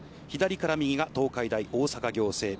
左から右が東海大大阪仰星。